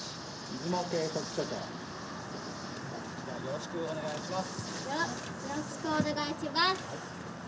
よろしくお願いします。